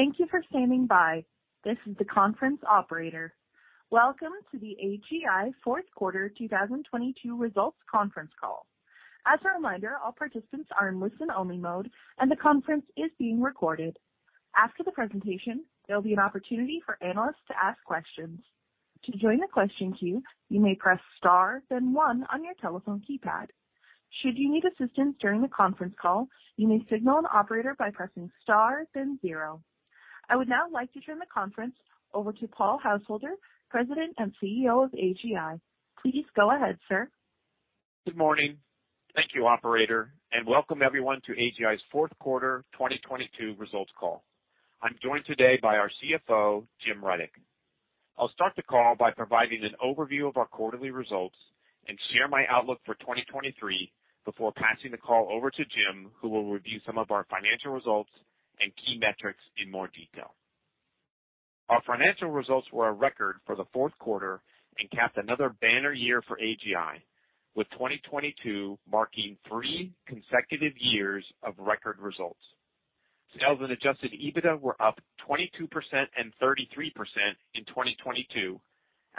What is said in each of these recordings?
Thank you for standing by. This is the conference operator. Welcome to the AGI Fourth Quarter 2022 Results Conference Call. As a reminder, all participants are in listen-only mode, and the conference is being recorded. After the presentation, there'll be an opportunity for analysts to ask questions. To join the question queue, you may press star then one on your telephone keypad. Should you need assistance during the conference call, you may signal an operator by pressing star then zero. I would now like to turn the conference over to Paul Householder, President and CEO of AGI. Please go ahead, sir. Good morning. Thank you, operator, and welcome everyone to AGI's fourth quarter 2022 results call. I'm joined today by our CFO, Jim Rudyk. I'll start the call by providing an overview of our quarterly results and share my outlook for 2023 before passing the call over to Jim, who will review some of our financial results and key metrics in more detail. Our financial results were a record for the fourth quarter and capped another banner year for AGI, with 2022 marking three consecutive years of record results. Sales and Adjusted EBITDA were up 22% and 33% in 2022,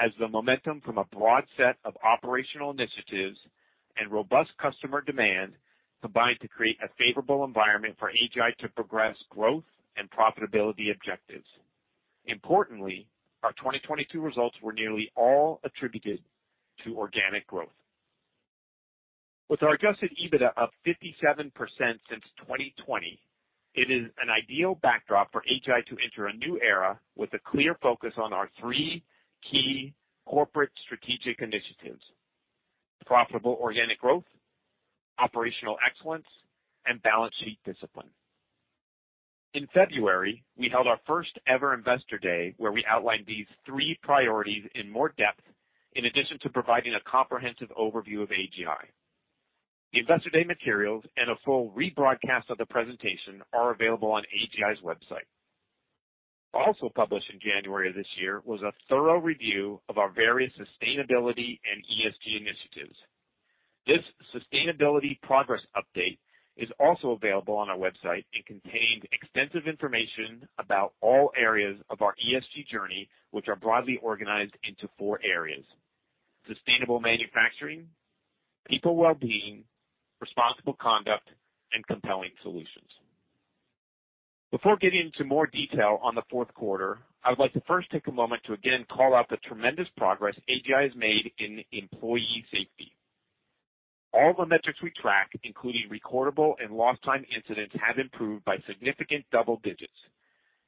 as the momentum from a broad set of operational initiatives and robust customer demand combined to create a favorable environment for AGI to progress growth and profitability objectives. Importantly, our 2022 results were nearly all attributed to organic growth. With our Adjusted EBITDA up 57% since 2020, it is an ideal backdrop for AGI to enter a new era with a clear focus on our three key corporate strategic initiatives: profitable organic growth, operational excellence, and balance sheet discipline. In February, we held our first-ever investor day, where we outlined these three priorities in more depth, in addition to providing a comprehensive overview of AGI. The investor day materials and a full rebroadcast of the presentation are available on AGI's website. Also published in January of this year was a thorough review of our various sustainability and ESG initiatives. This sustainability progress update is also available on our website and contained extensive information about all areas of our ESG journey, which are broadly organized into four areas: sustainable manufacturing, people wellbeing, responsible conduct, and compelling solutions. Before getting into more detail on the fourth quarter, I would like to first take a moment to again call out the tremendous progress AGI has made in employee safety. All the metrics we track, including recordable and lost time incidents, have improved by significant double digits,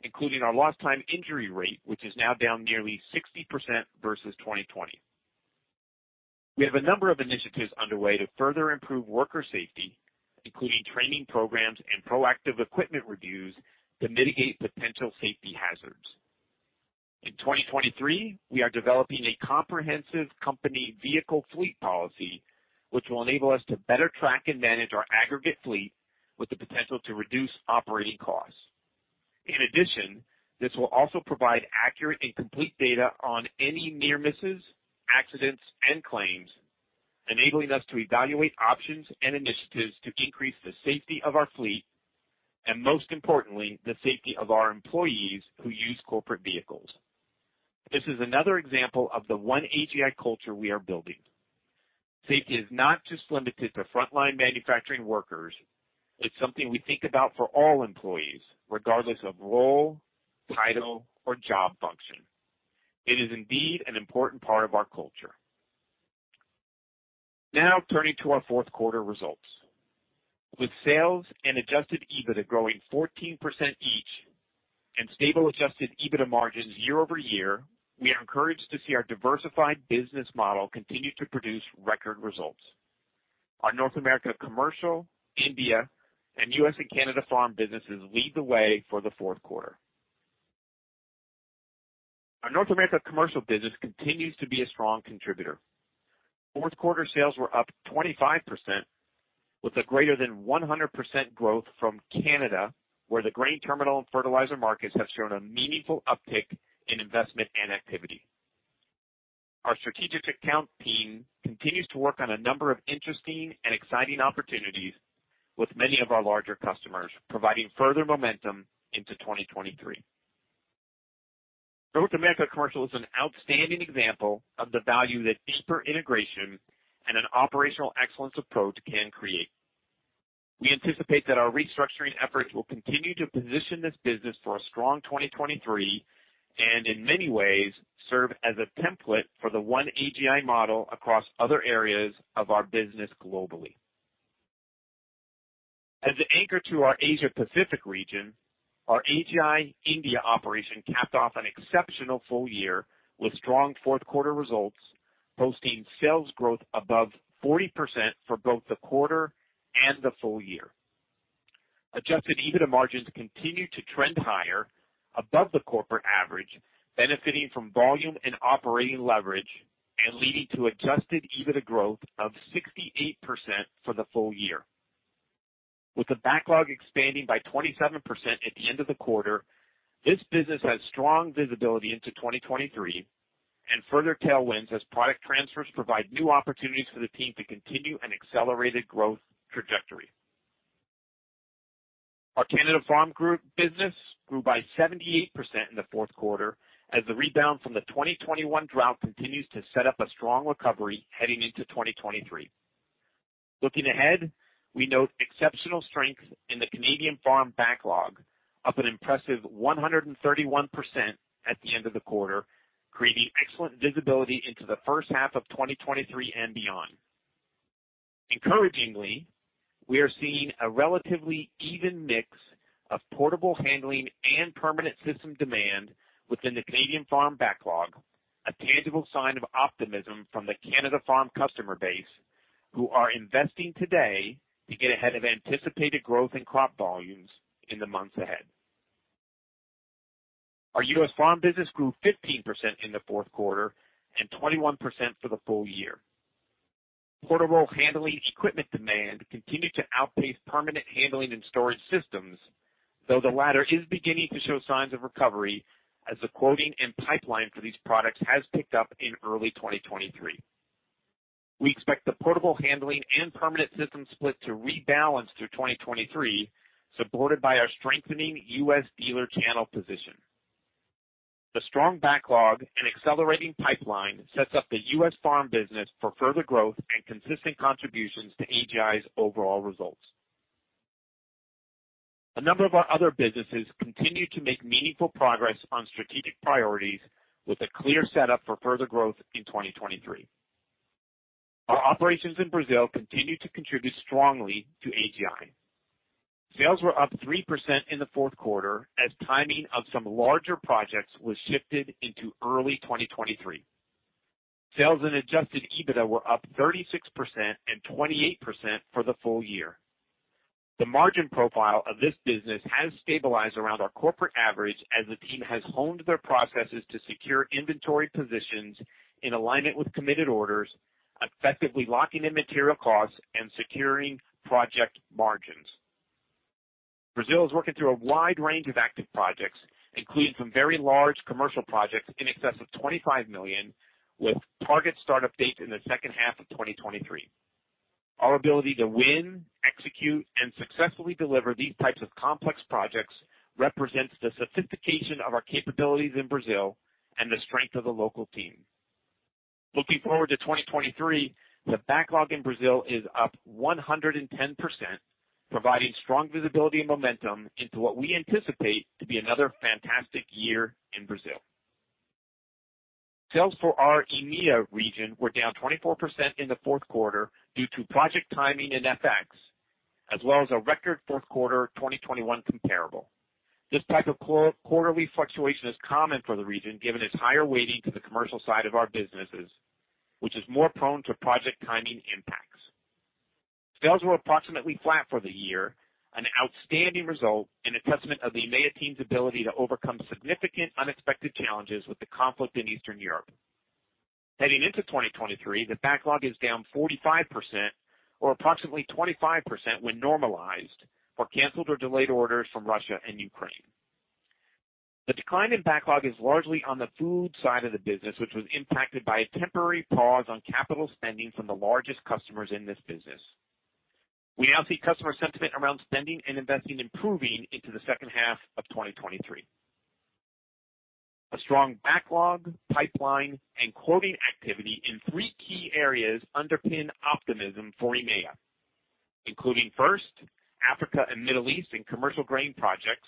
including our lost time injury rate, which is now down nearly 60% versus 2020. We have a number of initiatives underway to further improve worker safety, including training programs and proactive equipment reviews to mitigate potential safety hazards. In 2023, we are developing a comprehensive company vehicle fleet policy, which will enable us to better track and manage our aggregate fleet with the potential to reduce operating costs. This will also provide accurate and complete data on any near misses, accidents, and claims, enabling us to evaluate options and initiatives to increase the safety of our fleet, and most importantly, the safety of our employees who use corporate vehicles. This is another example of the One AGI culture we are building. Safety is not just limited to frontline manufacturing workers. It's something we think about for all employees, regardless of role, title, or job function. It is indeed an important part of our culture. Turning to our fourth quarter results. With sales and Adjusted EBITDA growing 14% each and stable Adjusted EBITDA margins year-over-year, we are encouraged to see our diversified business model continue to produce record results. Our North America Commercial, India, and U.S. and Canada Farm businesses lead the way for the fourth quarter. Our North America Commercial business continues to be a strong contributor. Fourth quarter sales were up 25%, with a greater than 100% growth from Canada, where the grain terminal and fertilizer markets have shown a meaningful uptick in investment and activity. Our strategic account team continues to work on a number of interesting and exciting opportunities with many of our larger customers, providing further momentum into 2023. North America Commercial is an outstanding example of the value that deeper integration and an operational excellence approach can create. We anticipate that our restructuring efforts will continue to position this business for a strong 2023 and in many ways serve as a template for the One AGI model across other areas of our business globally. As the anchor to our Asia Pacific region, our AGI India operation capped off an exceptional full year with strong fourth quarter results, posting sales growth above 40% for both the quarter and the full year. Adjusted EBITDA margins continued to trend higher above the corporate average, benefiting from volume and operating leverage and leading to Adjusted EBITDA growth of 68% for the full year. With the backlog expanding by 27% at the end of the quarter, this business has strong visibility into 2023. Further tailwinds as product transfers provide new opportunities for the team to continue an accelerated growth trajectory. Our Canada Farm group business grew by 78% in the fourth quarter as the rebound from the 2021 drought continues to set up a strong recovery heading into 2023. Looking ahead, we note exceptional strength in the Canada Farm backlog, up an impressive 131% at the end of the quarter, creating excellent visibility into the first half of 2023 and beyond. Encouragingly, we are seeing a relatively even mix of portable handling and permanent system demand within the Canada Farm backlog, a tangible sign of optimism from the Canada Farm customer base, who are investing today to get ahead of anticipated growth in crop volumes in the months ahead. Our U.S. farm business grew 15% in the fourth quarter and 21% for the full year. Portable handling equipment demand continued to outpace permanent handling and storage systems, though the latter is beginning to show signs of recovery as the quoting and pipeline for these products has picked up in early 2023. We expect the portable handling and permanent system split to rebalance through 2023, supported by our strengthening U.S. dealer channel position. The strong backlog and accelerating pipeline sets up the U.S. farm business for further growth and consistent contributions to AGI's overall results. A number of our other businesses continued to make meaningful progress on strategic priorities with a clear setup for further growth in 2023. Our operations in Brazil continued to contribute strongly to AGI. Sales were up 3% in the fourth quarter as timing of some larger projects was shifted into early 2023. Sales and Adjusted EBITDA were up 36% and 28% for the full year. The margin profile of this business has stabilized around our corporate average as the team has honed their processes to secure inventory positions in alignment with committed orders, effectively locking in material costs and securing project margins. Brazil is working through a wide range of active projects, including some very large commercial projects in excess of 25 million, with target start-up dates in the second half of 2023. Our ability to win, execute, and successfully deliver these types of complex projects represents the sophistication of our capabilities in Brazil and the strength of the local team. Looking forward to 2023, the backlog in Brazil is up 110%, providing strong visibility and momentum into what we anticipate to be another fantastic year in Brazil. Sales for our EMEA region were down 24% in the fourth quarter due to project timing and FX, as well as a record fourth quarter 2021 comparable. This type of quarterly fluctuation is common for the region, given its higher weighting to the commercial side of our businesses, which is more prone to project timing impacts. Sales were approximately flat for the year, an outstanding result and a testament of the EMEA team's ability to overcome significant unexpected challenges with the conflict in Eastern Europe. Heading into 2023, the backlog is down 45% or approximately 25% when normalized for canceled or delayed orders from Russia and Ukraine. The decline in backlog is largely on the food side of the business, which was impacted by a temporary pause on capital spending from the largest customers in this business. We now see customer sentiment around spending and investing improving into the second half of 2023. A strong backlog, pipeline, and quoting activity in three key areas underpin optimism for EMEA, including first, Africa and Middle East in commercial grain projects.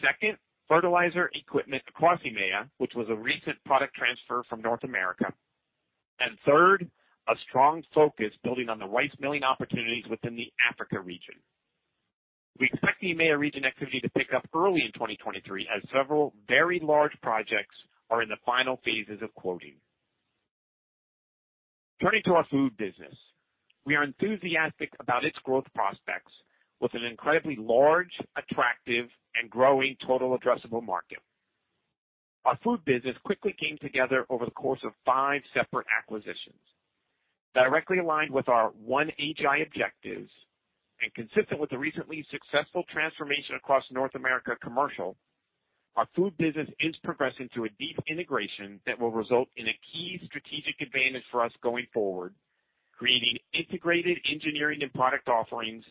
Second, fertilizer equipment across EMEA, which was a recent product transfer from North America. Third, a strong focus building on the rice milling opportunities within the Africa region. We expect the EMEA region activity to pick up early in 2023 as several very large projects are in the final phases of quoting. Turning to our food business. We are enthusiastic about its growth prospects with an incredibly large, attractive, and growing total addressable market. Our food business quickly came together over the course of five separate acquisitions. Directly aligned with our One AGI objectives and consistent with the recently successful transformation across North America Commercial, our food business is progressing through a deep integration that will result in a key strategic advantage for us going forward, creating integrated engineering and product offerings,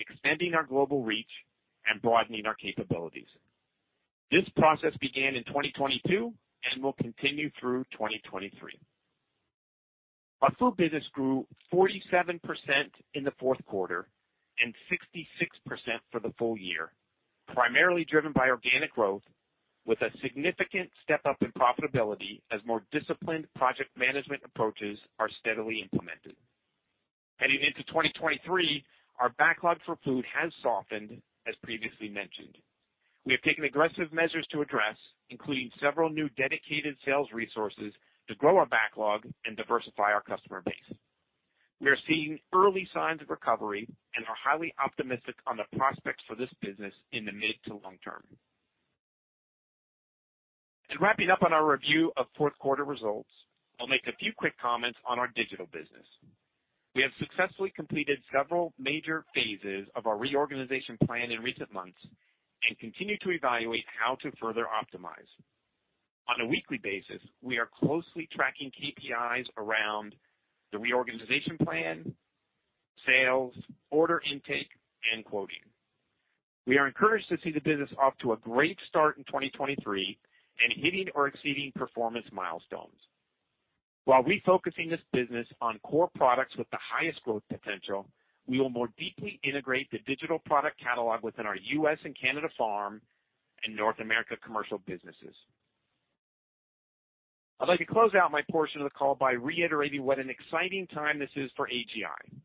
extending our global reach, and broadening our capabilities. This process began in 2022 and will continue through 2023. Our food business grew 47% in the fourth quarter and 66% for the full year, primarily driven by organic growth with a significant step-up in profitability as more disciplined project management approaches are steadily implemented. Heading into 2023, our backlog for food has softened, as previously mentioned. We have taken aggressive measures to address, including several new dedicated sales resources to grow our backlog and diversify our customer base. We are seeing early signs of recovery and are highly optimistic on the prospects for this business in the mid to long term. Wrapping up on our review of fourth quarter results, I'll make a few quick comments on our digital business. We have successfully completed several major phases of our reorganization plan in recent months and continue to evaluate how to further optimize. On a weekly basis, we are closely tracking KPIs around the reorganization plan, sales, order intake, and quoting. We are encouraged to see the business off to a great start in 2023 and hitting or exceeding performance milestones. While refocusing this business on core products with the highest growth potential, we will more deeply integrate the digital product catalog within our U.S. and Canada Farm and North America Commercial businesses. I'd like to close out my portion of the call by reiterating what an exciting time this is for AGI.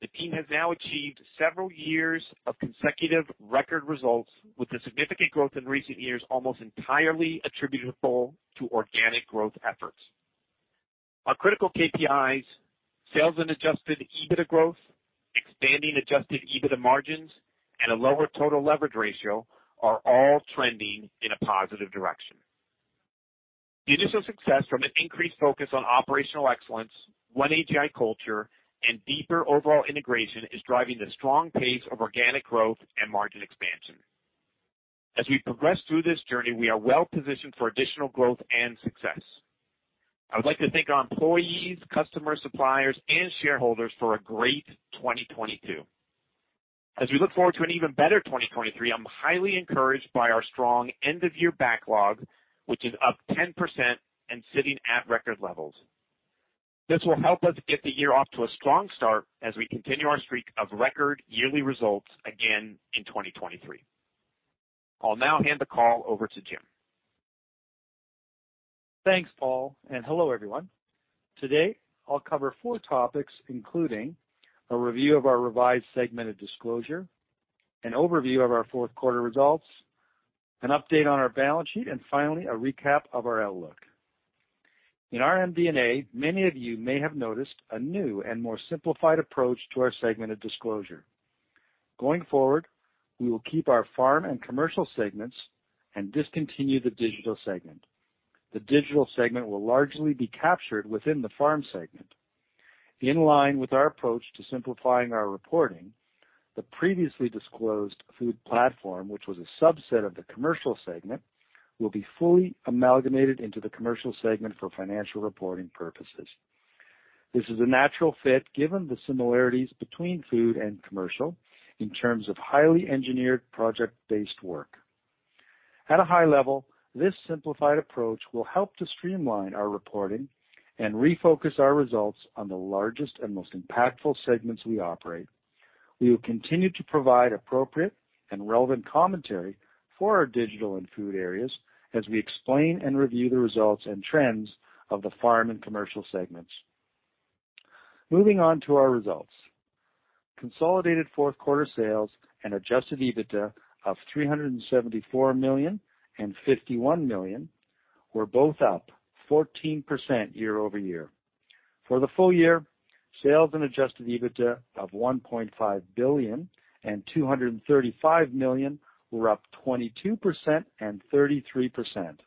The team has now achieved several years of consecutive record results, with the significant growth in recent years almost entirely attributable to organic growth efforts. Our critical KPIs, sales and Adjusted EBITDA growth, expanding Adjusted EBITDA margins, and a lower total leverage ratio are all trending in a positive direction. The initial success from an increased focus on operational excellence, One AGI culture, and deeper overall integration is driving the strong pace of organic growth and margin expansion. As we progress through this journey, we are well-positioned for additional growth and success. I would like to thank our employees, customers, suppliers, and shareholders for a great 2022. As we look forward to an even better 2023, I'm highly encouraged by our strong end-of-year backlog, which is up 10% and sitting at record levels. This will help us get the year off to a strong start as we continue our streak of record yearly results again in 2023. I'll now hand the call over to Jim. Thanks, Paul, and hello, everyone. Today, I'll cover four topics, including a review of our revised segmented disclosure, an overview of our fourth quarter results, an update on our balance sheet, and finally, a recap of our outlook. In our MD&A, many of you may have noticed a new and more simplified approach to our segmented disclosure. Going forward, we will keep our farm and commercial segments and discontinue the digital segment. The digital segment will largely be captured within the farm segment. In line with our approach to simplifying our reporting, the previously disclosed food platform, which was a subset of the commercial segment, will be fully amalgamated into the commercial segment for financial reporting purposes. This is a natural fit given the similarities between food and commercial in terms of highly engineered project-based work. At a high level, this simplified approach will help to streamline our reporting and refocus our results on the largest and most impactful segments we operate. We will continue to provide appropriate and relevant commentary for our digital and food areas as we explain and review the results and trends of the farm and commercial segments. Moving on to our results. Consolidated fourth quarter sales and Adjusted EBITDA of 374 million and 51 million were both up 14% year-over-year. For the full year, sales and Adjusted EBITDA of 1.5 billion and 235 million were up 22% and 33%.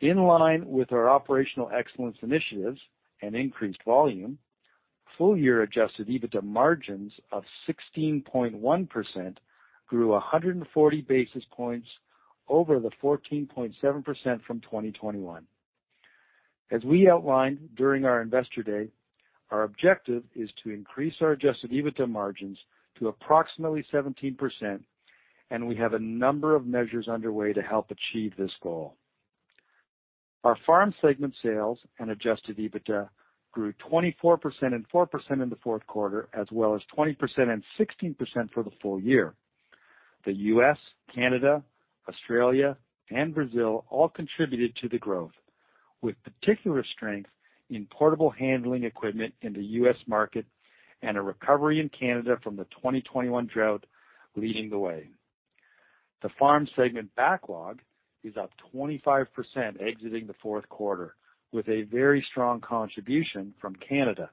In line with our operational excellence initiatives and increased volume, full year Adjusted EBITDA margins of 16.1% grew 140 basis points over the 14.7% from 2021. As we outlined during our Investor Day, our objective is to increase our Adjusted EBITDA margins to approximately 17%. We have a number of measures underway to help achieve this goal. Our farm segment sales and Adjusted EBITDA grew 24% and 4% in the fourth quarter, as well as 20% and 16% for the full year. The U.S., Canada, Australia, and Brazil all contributed to the growth, with particular strength in portable handling equipment in the U.S. market and a recovery in Canada from the 2021 drought leading the way. The farm segment backlog is up 25% exiting the fourth quarter, with a very strong contribution from Canada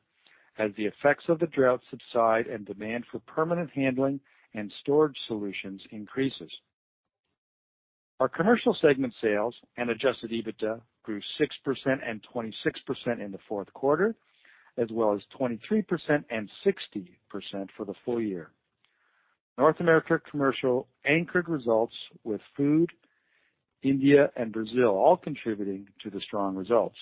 as the effects of the drought subside and demand for permanent handling and storage solutions increases. Our commercial segment sales and Adjusted EBITDA grew 6% and 26% in the fourth quarter, as well as 23% and 60% for the full year. North America Commercial anchored results with food, India, and Brazil all contributing to the strong results.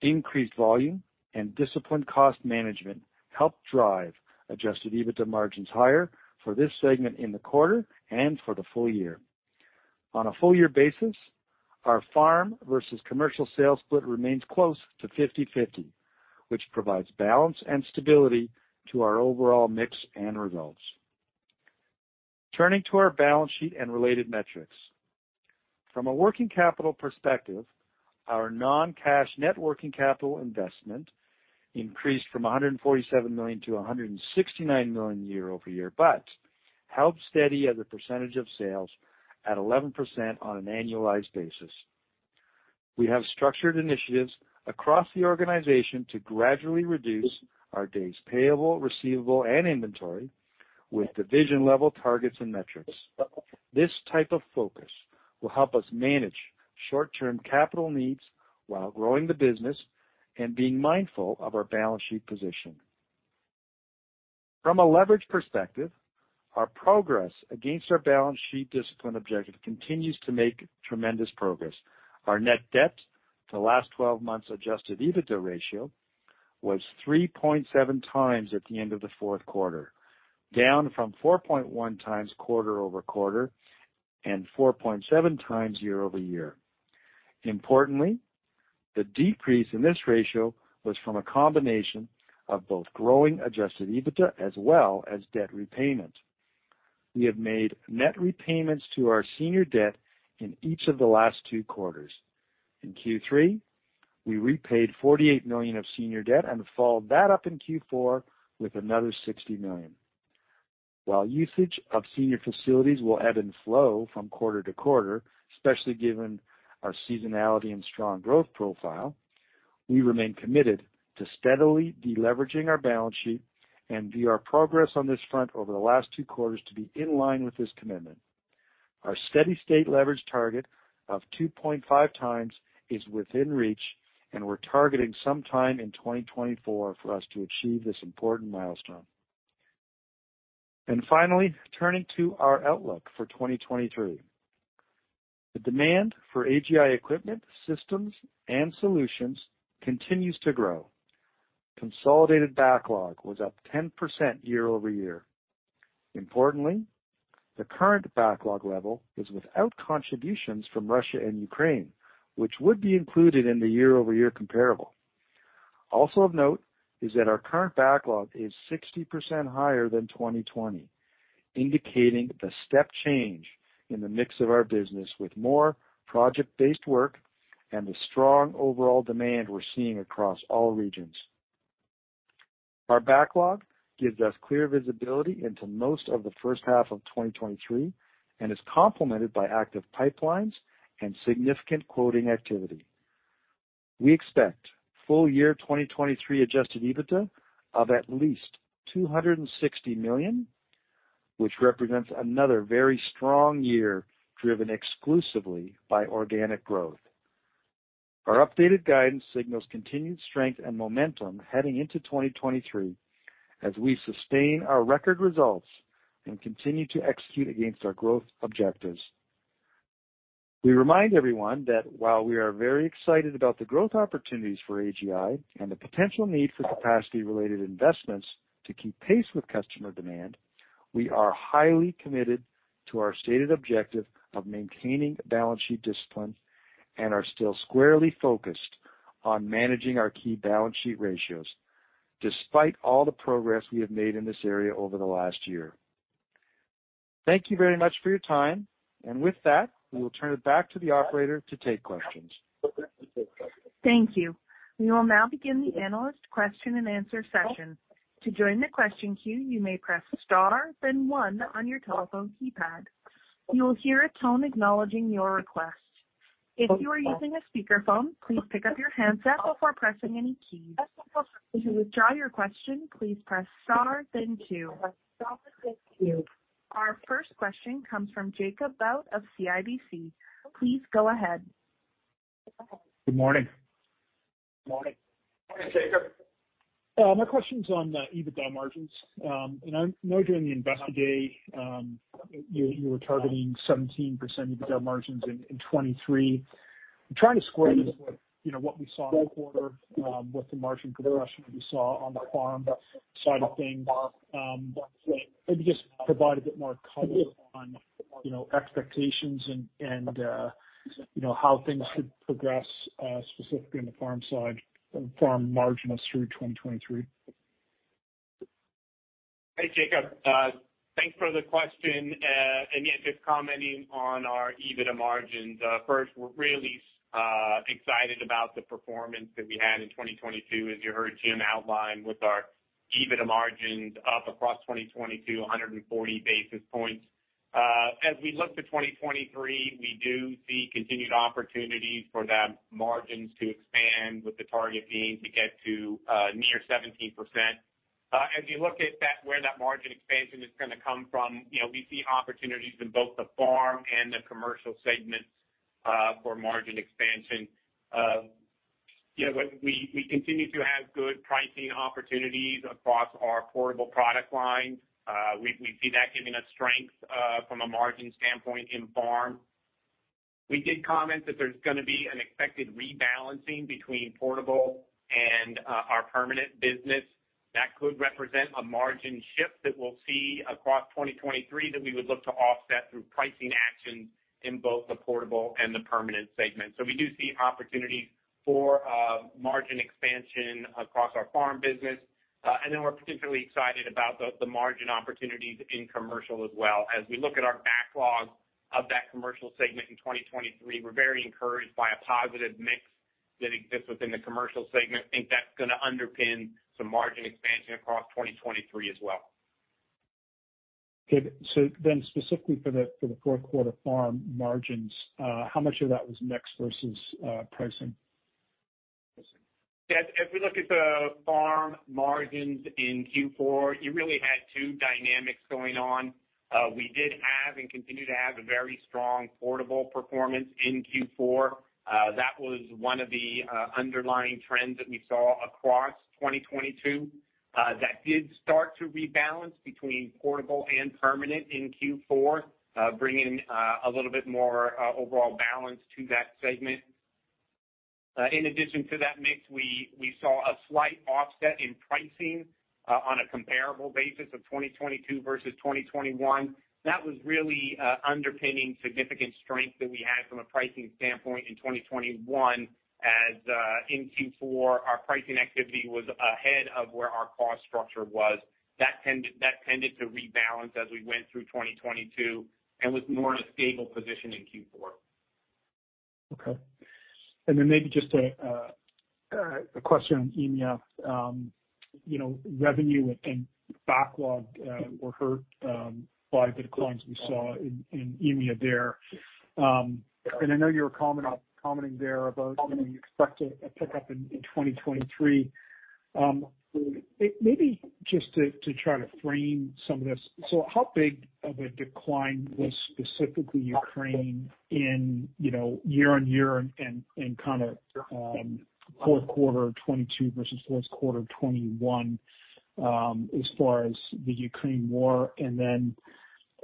Increased volume and disciplined cost management helped drive Adjusted EBITDA margins higher for this segment in the quarter and for the full year. On a full year basis, our farm versus commercial sales split remains close to 50/50, which provides balance and stability to our overall mix and results. Turning to our balance sheet and related metrics. From a working capital perspective, our non-cash net working capital investment increased from 147 million to 169 million year-over-year, but held steady as a percentage of sales at 11% on an annualized basis. We have structured initiatives across the organization to gradually reduce our days payable, days receivable, and inventory. With division level targets and metrics. This type of focus will help us manage short-term capital needs while growing the business and being mindful of our balance sheet position. From a leverage perspective, our progress against our balance sheet discipline objective continues to make tremendous progress. Our net debt for the last 12 months Adjusted EBITDA ratio was 3.7x at the end of the fourth quarter, down from 4.1x quarter-over-quarter and 4.7x year-over-year. Importantly, the decrease in this ratio was from a combination of both growing Adjusted EBITDA as well as debt repayment. We have made net repayments to our senior debt in each of the last two quarters. In Q3, we repaid 48 million of senior debt and followed that up in Q4 with another 60 million. While usage of senior facilities will ebb and flow from quarter to quarter, especially given our seasonality and strong growth profile, we remain committed to steadily de-leveraging our balance sheet and view our progress on this front over the last two quarters to be in line with this commitment. Our steady-state leverage target of 2.5x is within reach, and we're targeting sometime in 2024 for us to achieve this important milestone. Finally, turning to our outlook for 2023. The demand for AGI equipment, systems, and solutions continues to grow. Consolidated backlog was up 10% year-over-year. Importantly, the current backlog level is without contributions from Russia and Ukraine, which would be included in the year-over-year comparable. Also of note is that our current backlog is 60% higher than 2020, indicating the step change in the mix of our business with more project-based work and the strong overall demand we're seeing across all regions. Our backlog gives us clear visibility into most of the first half of 2023 and is complemented by active pipelines and significant quoting activity. We expect full year 2023 Adjusted EBITDA of at least 260 million, which represents another very strong year driven exclusively by organic growth. Our updated guidance signals continued strength and momentum heading into 2023 as we sustain our record results and continue to execute against our growth objectives. We remind everyone that while we are very excited about the growth opportunities for AGI and the potential need for capacity related investments to keep pace with customer demand, we are highly committed to our stated objective of maintaining balance sheet discipline and are still squarely focused on managing our key balance sheet ratios despite all the progress we have made in this area over the last year. Thank you very much for your time. With that, we will turn it back to the operator to take questions. Thank you. We will now begin the analyst question and answer session. To join the question queue, you may press star then one on your telephone keypad. You will hear a tone acknowledging your request. If you are using a speakerphone, please pick up your handset before pressing any keys. To withdraw your question, please press star then two. Our first question comes from Jacob Bout of CIBC. Please go ahead. Good morning. Morning. Morning, Jacob. My question's on the EBITDA margins. I know during the Investor Day, you were targeting 17% EBITDA margins in 2023. I'm trying to square this with, you know, what we saw in the quarter, with the margin compression that we saw on the farm side of things. Maybe just provide a bit more color on, you know, expectations and, you know, how things should progress, specifically on the farm side, farm margin us through 2023? Hey, Jacob. Thanks for the question. Yeah, just commenting on our EBITDA margins. First, we're really excited about the performance that we had in 2022, as you heard Jim outline, with our EBITDA margins up across 2022, 140 basis points. As we look to 2023, we do see continued opportunities for the margins to expand, with the target being to get to near 17%. As you look at that, where that margin expansion is gonna come from, you know, we see opportunities in both the farm and the commercial segments for margin expansion. You know, we continue to have good pricing opportunities across our portable product lines. We see that giving us strength from a margin standpoint in farm. We did comment that there's gonna be an expected rebalancing between portable and our permanent business. That could represent a margin shift that we'll see across 2023 that we would look to offset through pricing actions in both the portable and the permanent segment. We do see opportunities for margin expansion across our farm business. We're particularly excited about the margin opportunities in commercial as well. As we look at our backlog of that commercial segment in 2023, we're very encouraged by a positive mix that exists within the commercial segment. I think that's gonna underpin some margin expansion across 2023 as well. Okay. Specifically for the fourth quarter farm margins, how much of that was mix versus pricing? Yeah, if we look at the farm margins in Q4, you really had two dynamics going on. We did have and continue to have a very strong portable performance in Q4. That was one of the underlying trends that we saw across 2022. That did start to rebalance between portable and permanent in Q4, bringing a little bit more overall balance to that segment. In addition to that mix, we saw a slight offset in pricing on a comparable basis of 2022 versus 2021. That was really underpinning significant strength that we had from a pricing standpoint in 2021 as in Q4, our pricing activity was ahead of where our cost structure was. That tended to rebalance as we went through 2022 and was more in a stable position in Q4. Okay. Then maybe just a question on EMEA. You know, revenue and backlog were hurt by the declines we saw in EMEA there. I know you were commenting there about when you expect a pickup in 2023. Maybe just to try to frame some of this, so how big of a decline was specifically Ukraine in, you know, year on year and kind of, fourth quarter 2022 versus fourth quarter 2021, as far as the Ukraine war. Then,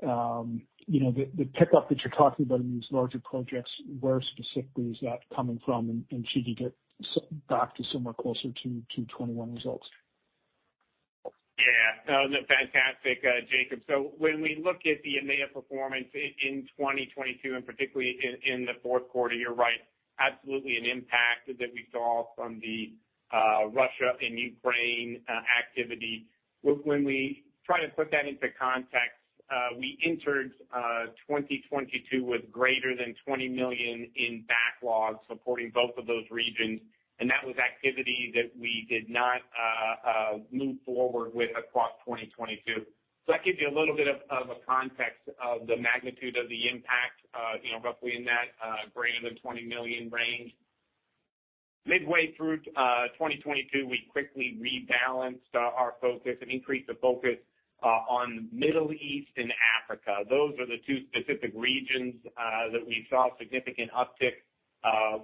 you know, the pickup that you're talking about in these larger projects, where specifically is that coming from, and should you get back to somewhere closer to 2021 results? No, fantastic, Jacob. When we look at the EMEA performance in 2022, and particularly in the fourth quarter, you're right, absolutely an impact that we saw from the Russia and Ukraine activity. When we try to put that into context, we entered 2022 with greater than 20 million in backlog supporting both of those regions, and that was activity that we did not move forward with across 2022. That gives you a little bit of a context of the magnitude of the impact, you know, roughly in that greater than 20 million range. Midway through 2022, we quickly rebalanced our focus and increased the focus on Middle East and Africa. Those are the two specific regions that we saw significant uptick.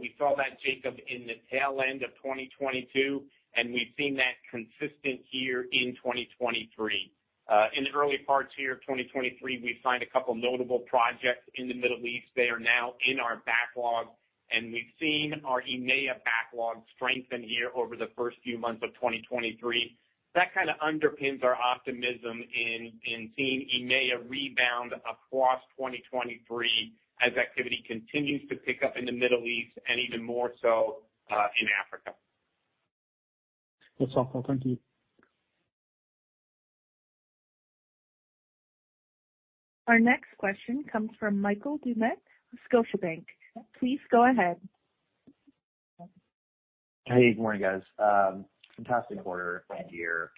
We saw that, Jacob, in the tail end of 2022, and we've seen that consistent here in 2023. In the early parts here of 2023, we've signed a couple notable projects in the Middle East. They are now in our backlog, and we've seen our EMEA backlog strengthen here over the first few months of 2023. That kinda underpins our optimism in seeing EMEA rebound across 2023 as activity continues to pick up in the Middle East and even more so, in Africa. That's all. Thank you. Our next question comes from Michael Doumet of Scotiabank. Please go ahead. Hey, good morning, guys. Fantastic quarter and year.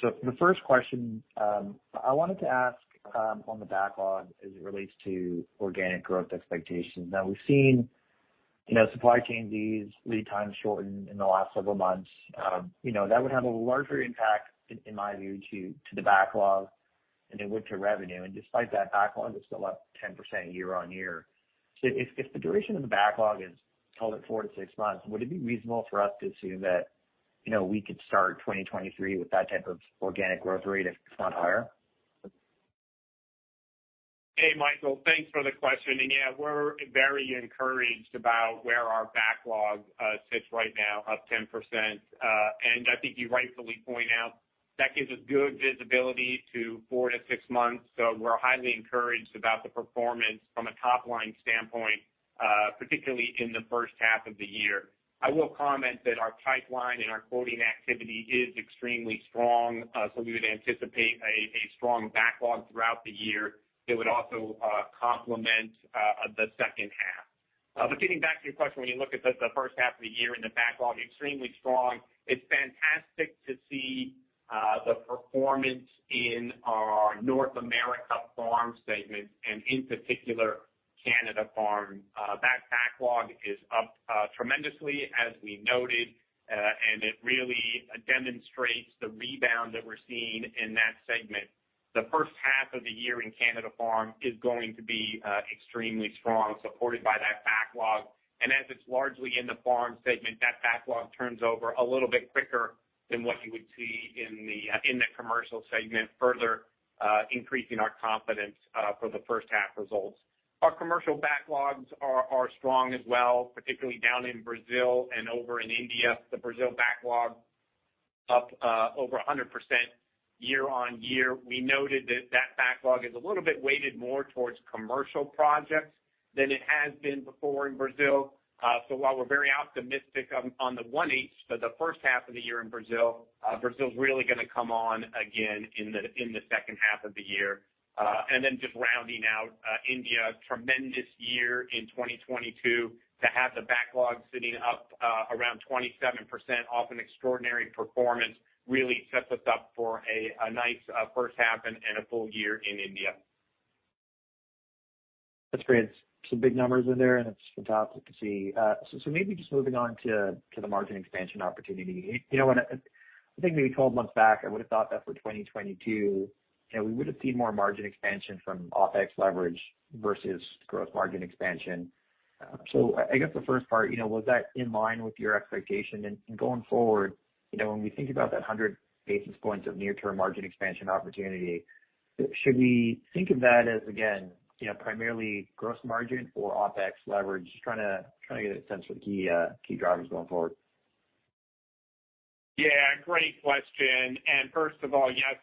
For the first question, I wanted to ask on the backlog as it relates to organic growth expectations. Now we've seen, you know, supply chain leads, lead times shorten in the last several months. You know, that would have a larger impact in my view to the backlog than it would to revenue. Despite that backlog, it's still up 10% year-on-year. If the duration of the backlog is call it four-six months, would it be reasonable for us to assume that, you know, we could start 2023 with that type of organic growth rate, if not higher? Hey, Michael, thanks for the question. Yeah, we're very encouraged about where our backlog sits right now, up 10%. I think you rightfully point out that gives us good visibility to four to six months. We're highly encouraged about the performance from a top-line standpoint, particularly in the first half of the year. I will comment that our pipeline and our quoting activity is extremely strong. We would anticipate a strong backlog throughout the year that would also complement the second half. Getting back to your question, when you look at the first half of the year and the backlog, extremely strong. It's fantastic to see the performance in our North America Farm segment and in particular, Canada Farm. That backlog is up tremendously as we noted, and it really demonstrates the rebound that we're seeing in that segment. The first half of the year in Canada Farm is going to be extremely strong, supported by that backlog. As it's largely in the farm segment, that backlog turns over a little bit quicker than what you would see in the commercial segment, further increasing our confidence for the first half results. Our commercial backlogs are strong as well, particularly down in Brazil and over in India. The Brazil backlog up over 100% year-over-year. We noted that that backlog is a little bit weighted more towards commercial projects than it has been before in Brazil. While we're very optimistic on the 1H for the first half of the year in Brazil's really gonna come on again in the second half of the year. Just rounding out India. Tremendous year in 2022. To have the backlog sitting up around 27% off an extraordinary performance really sets us up for a nice first half and a full year in India. That's great. Some big numbers in there, and it's fantastic to see. So maybe just moving on to the margin expansion opportunity. You know what? I think maybe 12 months back, I would have thought that for 2022, you know, we would have seen more margin expansion from OpEx leverage versus gross margin expansion. I guess the first part, you know, was that in line with your expectation? Going forward, you know, when we think about that 100 basis points of near-term margin expansion opportunity, should we think of that as again, you know, primarily gross margin or OpEx leverage? Just trying to get a sense for the key drivers going forward. Yeah, great question. First of all, yes,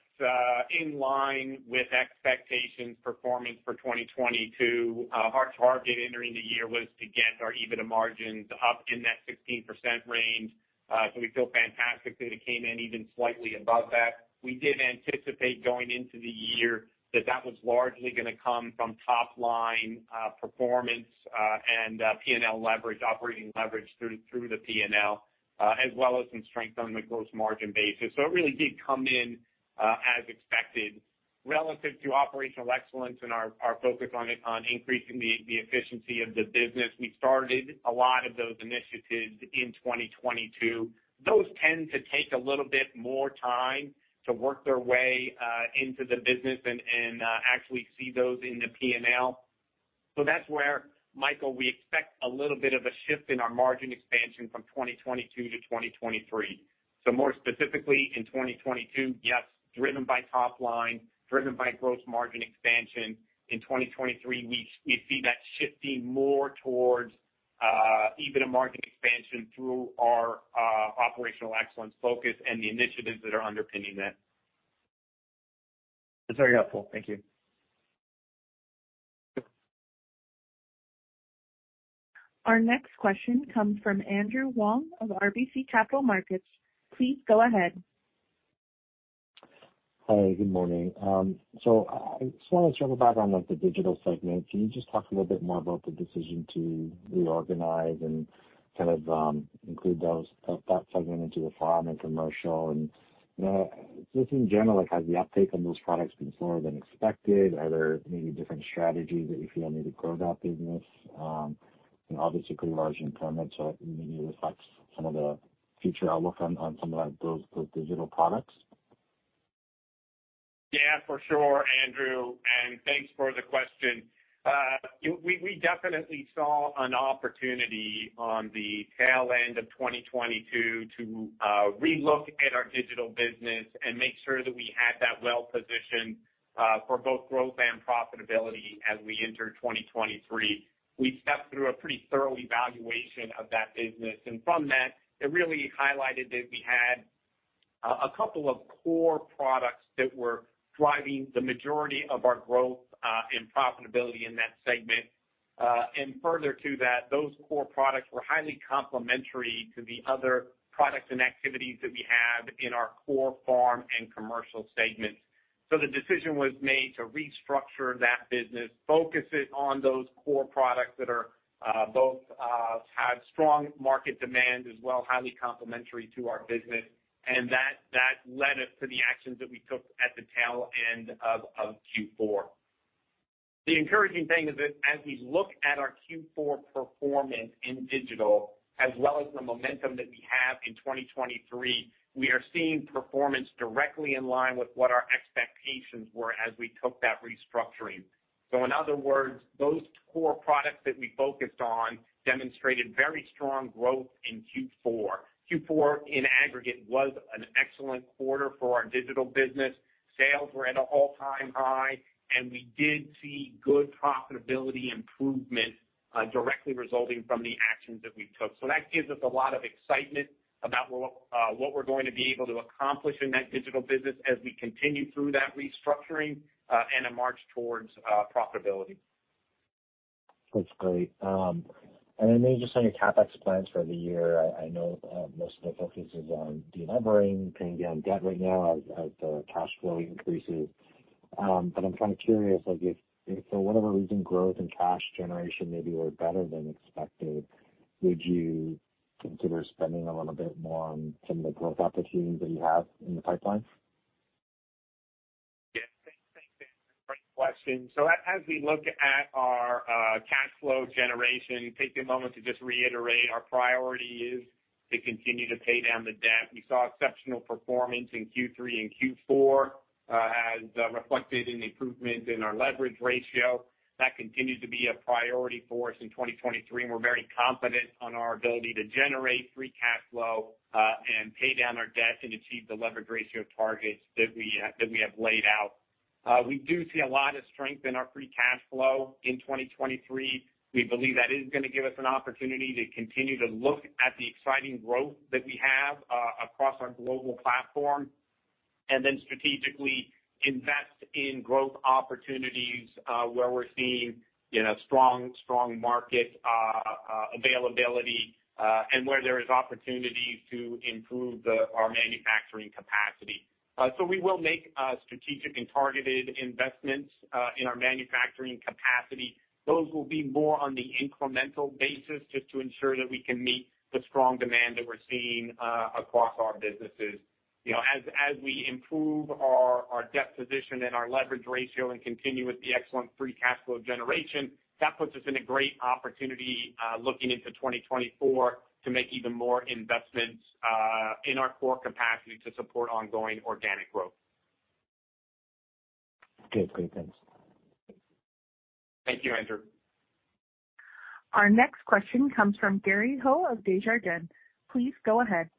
in line with expectations performance for 2022. Our target entering the year was to get our EBITDA margins up in that 16% range. We feel fantastic that it came in even slightly above that. We did anticipate going into the year that that was largely gonna come from top line, performance, and P&L leverage, operating leverage through the P&L, as well as some strength on the gross margin basis. It really did come in, as expected relative to operational excellence and our focus on increasing the efficiency of the business. We started a lot of those initiatives in 2022. Those tend to take a little bit more time to work their way, into the business and, actually see those in the P&L. That's where, Michael, we expect a little bit of a shift in our margin expansion from 2022 to 2023. More specifically in 2022, yes, driven by top line, driven by gross margin expansion. In 2023, we see that shifting more towards EBITDA margin expansion through our operational excellence focus and the initiatives that are underpinning that. That's very helpful. Thank you. Our next question comes from Andrew Wong of RBC Capital Markets. Please go ahead. Hi, good morning. I just wanna circle back on, like, the digital segment. Can you just talk a little bit more about the decision to reorganize and kind of include that segment into the farm and commercial? Just in general, like, has the uptake on those products been slower than expected? Are there maybe different strategies that you feel need to grow that business? Obviously pretty large impairment, so maybe reflect some of the future outlook on some of those digital products. Yeah, for sure, Andrew. Thanks for the question. We definitely saw an opportunity on the tail end of 2022 to relook at our digital business and make sure that we had that well positioned for both growth and profitability as we enter 2023. We stepped through a pretty thorough evaluation of that business. From that, it really highlighted that we had a couple of core products that were driving the majority of our growth and profitability in that segment. Further to that, those core products were highly complementary to the other products and activities that we have in our core farm and commercial segments. The decision was made to restructure that business, focus it on those core products that are both have strong market demand, as well highly complementary to our business. That led us to the actions that we took at the tail end of Q4. The encouraging thing is that as we look at our Q4 performance in digital as well as the momentum that we have in 2023, we are seeing performance directly in line with what our expectations were as we took that restructuring. In other words, those core products that we focused on demonstrated very strong growth in Q4. Q4 in aggregate was an excellent quarter for our digital business. Sales were at an all-time high, and we did see good profitability improvement, directly resulting from the actions that we took. That gives us a lot of excitement about what we're going to be able to accomplish in that digital business as we continue through that restructuring, and a march towards profitability. That's great. Then maybe just on your CapEx plans for the year. I know most of the focus is on delevering, paying down debt right now as the cash flow increases. I'm kind of curious, like if for whatever reason, growth and cash generation maybe were better than expected, would you consider spending a little bit more on some of the growth opportunities that you have in the pipeline? Yeah. Thanks. Thanks, Andrew. Great question. As we look at our cash flow generation, take a moment to just reiterate our priority is to continue to pay down the debt. We saw exceptional performance in Q3 and Q4, as reflected in the improvement in our leverage ratio. That continues to be a priority for us in 2023, we're very confident on our ability to generate free cash flow, and pay down our debt and achieve the leverage ratio targets that we have laid out. We do see a lot of strength in our free cash flow in 2023. We believe that is gonna give us an opportunity to continue to look at the exciting growth that we have across our global platform and then strategically invest in growth opportunities where we're seeing, you know, strong market availability and where there is opportunity to improve our manufacturing capacity. So we will make strategic and targeted investments in our manufacturing capacity. Those will be more on the incremental basis just to ensure that we can meet the strong demand that we're seeing across our businesses. You know, as we improve our debt position and our leverage ratio and continue with the excellent free cash flow generation, that puts us in a great opportunity looking into 2024 to make even more investments in our core capacity to support ongoing organic growth. Good. Great. Thanks. Thank you, Andrew. Our next question comes from Gary Ho of Desjardins. Please go ahead.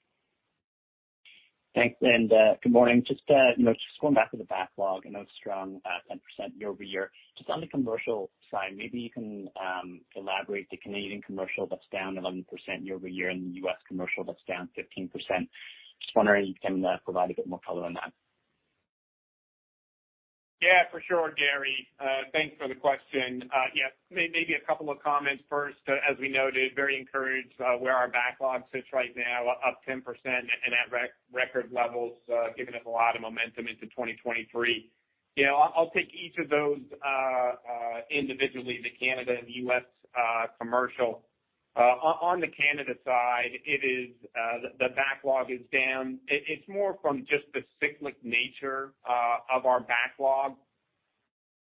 Thanks. Good morning. Just, you know, just going back to the backlog, I know it's strong at 10% year-over-year. Just on the Commercial side, maybe you can elaborate the Canadian Commercial that's down 11% year-over-year and the U.S. Commercial that's down 15%. Just wondering if you can provide a bit more color on that. Yeah, for sure, Gary. Thanks for the question. Maybe a couple of comments first. As we noted, very encouraged where our backlog sits right now, up 10% and at record levels, giving us a lot of momentum into 2023. You know, I'll take each of those individually, the Canada and U.S. commercial. On the Canada side, it is the backlog is down. It's more from just the cyclic nature of our backlog.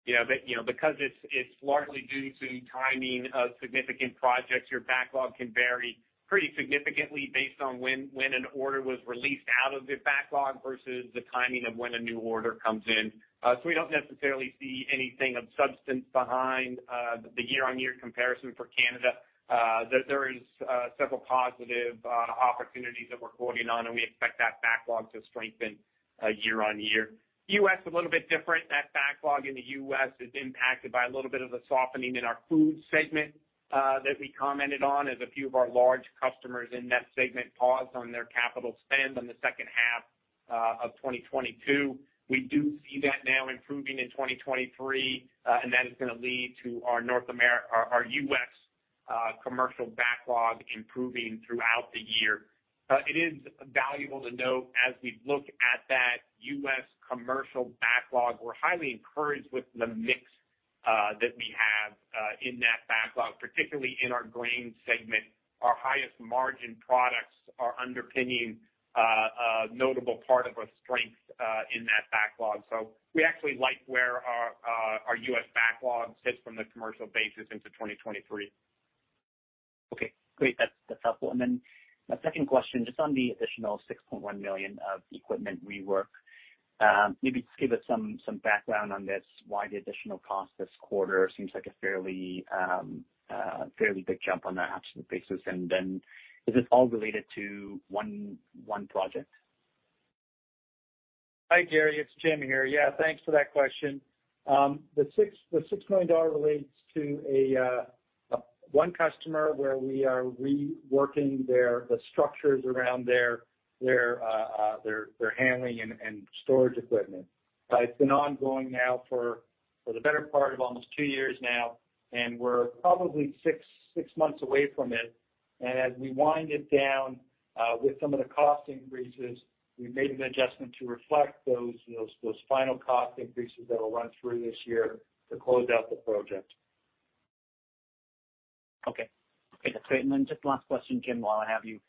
You know, that, you know, because it's largely due to timing of significant projects, your backlog can vary pretty significantly based on when an order was released out of the backlog versus the timing of when a new order comes in. We don't necessarily see anything of substance behind the year-on-year comparison for Canada. There is several positive opportunities that we're quoting on, and we expect that backlog to strengthen year-on-year. U.S. a little bit different. That backlog in the U.S. is impacted by a little bit of a softening in our food segment that we commented on as a few of our large customers in that segment paused on their capital spend on the second half of 2022. We do see that now improving in 2023, and that is gonna lead to our U.S. commercial backlog improving throughout the year. It is valuable to note as we look at that U.S. commercial backlog, we're highly encouraged with the mix that we have in that backlog, particularly in our grain segment. Our highest margin products are underpinning, a notable part of our strength, in that backlog. We actually like where our U.S. backlog sits from the commercial basis into 2023. Okay. Great. That's, that's helpful. My second question, just on the additional 6.1 million of equipment rework, maybe just give us some background on this, why the additional cost this quarter seems like a fairly big jump on an absolute basis? Is this all related to one project? Hi, Gary. It's Jim here. Yeah, thanks for that question. The 6 million dollar relates to one customer where we are reworking the structures around their handling and storage equipment. It's been ongoing now for the better part of almost two years now, and we're probably six months away from it. As we wind it down, with some of the cost increases, we've made an adjustment to reflect those, you know, those final cost increases that'll run through this year to close out the project. Okay. Okay, that's great. Just last question, Jim, while I have you.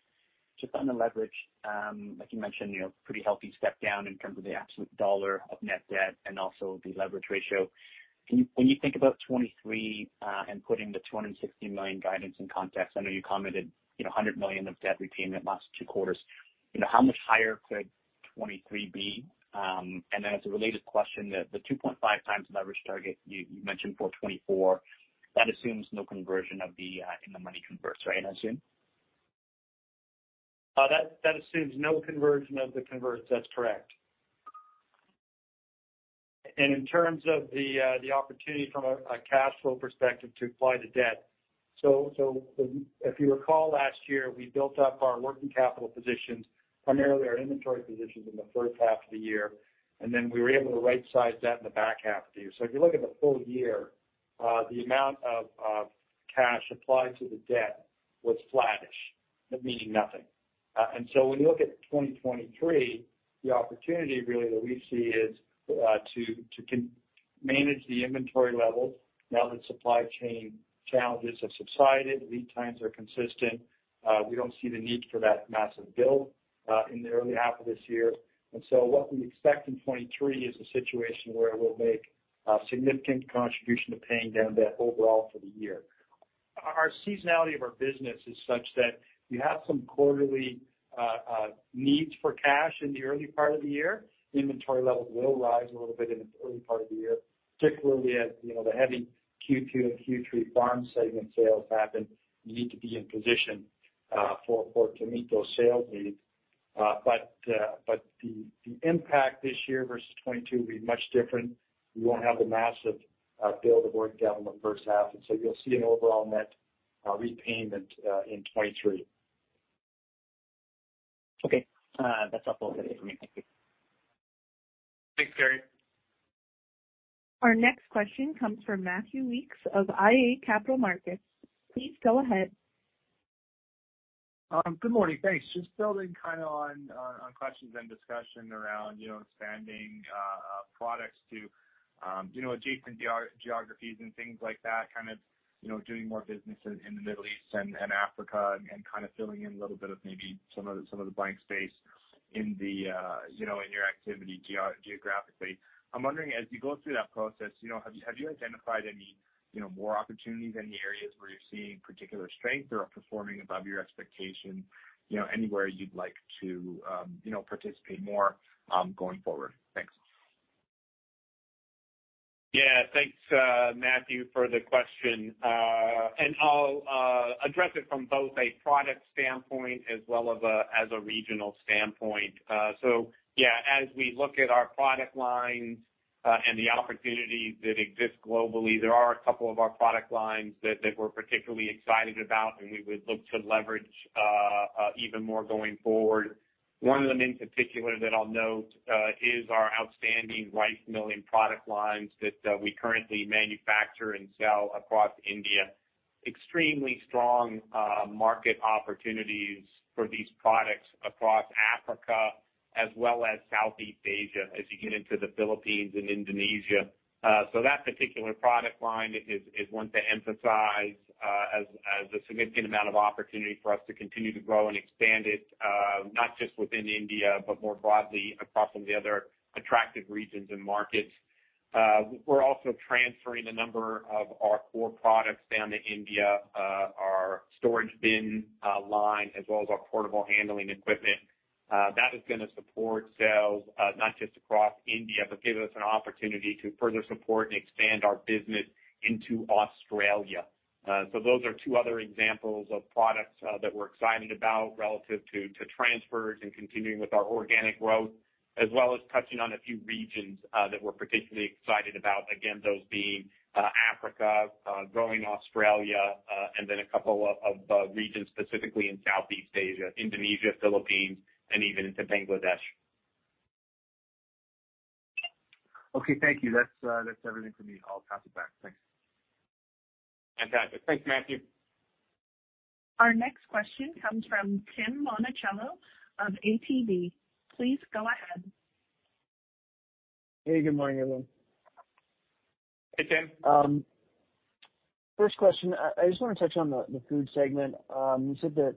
Just on the leverage, like you mentioned, you know, pretty healthy step down in terms of the absolute dollar of net debt and also the leverage ratio. When you think about 2023, and putting the 260 million guidance in context, I know you commented, you know, 100 million of debt repayment last two quarters, you know, how much higher could 2023 be? As a related question, the 2.5x leverage target you mentioned for 2024, that assumes no conversion of the in the money converts, right, I assume? That assumes no conversion of the converts, that's correct. In terms of the opportunity from a cash flow perspective to apply to debt, if you recall last year, we built up our working capital positions, primarily our inventory positions in the first half of the year, and then we were able to rightsize that in the back half of the year. If you look at the full year, the amount of cash applied to the debt was flattish, meaning nothing. When you look at 2023, the opportunity really that we see is to manage the inventory levels now that supply chain challenges have subsided, lead times are consistent. We don't see the need for that massive build in the early half of this year. What we expect in 2023 is a situation where we'll make a significant contribution to paying down debt overall for the year. Our seasonality of our business is such that you have some quarterly needs for cash in the early part of the year. Inventory levels will rise a little bit in the early part of the year, particularly as, you know, the heavy Q2 and Q3 farm segment sales happen. You need to be in position to meet those sales needs. The impact this year versus 2022 will be much different. We won't have the massive build to break down in the first half. You'll see an overall net repayment in 2023. That's all I had for you. Thank you. Thanks, Gary. Our next question comes from Matthew Weekes of iA Capital Markets. Please go ahead. Good morning. Thanks. Just building kinda on questions and discussion around, you know, expanding products to, you know, adjacent geographies and things like that, kind of, you know, doing more business in the Middle East and Africa and kind of filling in a little bit of maybe some of the blank space.In the, you know, in your activity geographically. I'm wondering, as you go through that process, you know, have you identified any, you know, more opportunities, any areas where you're seeing particular strength or are performing above your expectation, you know, anywhere you'd like to participate more going forward? Thanks. Thanks, Matthew, for the question. I'll address it from both a product standpoint as well as a regional standpoint. Yeah, as we look at our product lines, and the opportunities that exist globally, there are a couple of our product lines that we're particularly excited about and we would look to leverage even more going forward. One of them in particular that I'll note, is our outstanding rice milling product lines that we currently manufacture and sell across India. Extremely strong market opportunities for these products across Africa as well as Southeast Asia as you get into the Philippines and Indonesia. That particular product line is one to emphasize, as a significant amount of opportunity for us to continue to grow and expand it, not just within India, but more broadly across some of the other attractive regions and markets. We're also transferring a number of our core products down to India, our storage bin line as well as our portable handling equipment. That is gonna support sales, not just across India, but give us an opportunity to further support and expand our business into Australia. Those are two other examples of products, that we're excited about relative to transfers and continuing with our organic growth, as well as touching on a few regions, that we're particularly excited about. Those being, Africa, growing Australia, and then a couple of regions specifically in Southeast Asia, Indonesia, Philippines, and even into Bangladesh. Okay, thank you. That's everything for me. I'll pass it back. Thanks. Fantastic. Thanks, Matthew. Our next question comes from Tim Monticello of ATB. Please go ahead. Hey, good morning, everyone. Hey, Tim. First question, I just wanna touch on the food segment. You said that,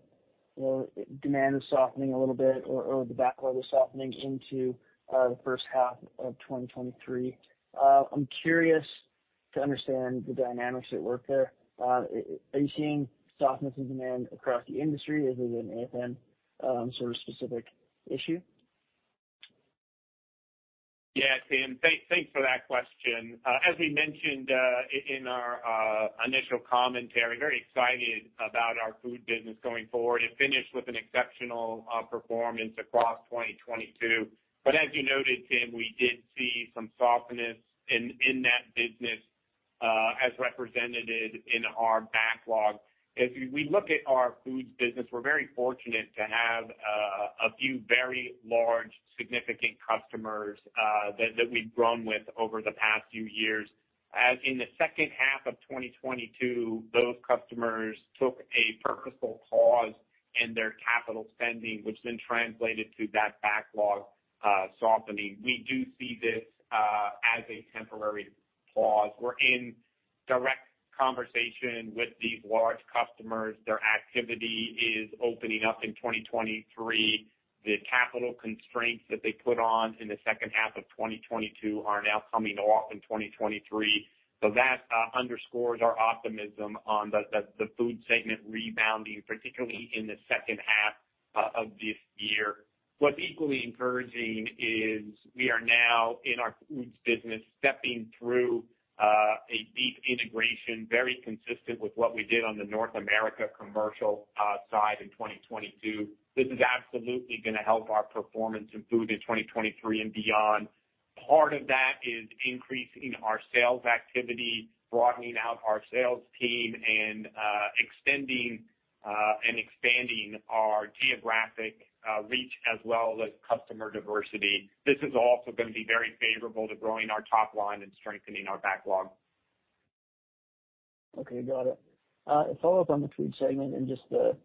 you know, demand is softening a little bit or the backlog is softening into the first half of 2023. I'm curious to understand the dynamics at work there. Are you seeing softness in demand across the industry? Is it an [AFN], sort of specific issue? Yeah. Tim, thanks for that question. As we mentioned, in our initial commentary, very excited about our food business going forward. It finished with an exceptional performance across 2022. As you noted, Tim, we did see some softness in that business as represented in our backlog. As we look at our foods business, we're very fortunate to have a few very large significant customers that we've grown with over the past few years. As in the second half of 2022, those customers took a purposeful pause in their capital spending, which then translated to that backlog softening. We do see this as a temporary pause. We're in direct conversation with these large customers. Their activity is opening up in 2023. The capital constraints that they put on in the second half of 2022 are now coming off in 2023. That underscores our optimism on the food segment rebounding, particularly in the second half of this year. What's equally encouraging is we are now in our foods business stepping through a deep integration, very consistent with what we did on the North America Commercial side in 2022. This is absolutely gonna help our performance in food in 2023 and beyond. Part of that is increasing our sales activity, broadening out our sales team, and extending and expanding our geographic reach as well as customer diversity. This is also gonna be very favorable to growing our top line and strengthening our backlog. Okay. Got it. A follow-up on the food segment and just the